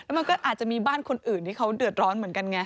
มันก็อาจจะมีบ้านคนอื่นที่เขาเดือดร้อนเหมือนกันไง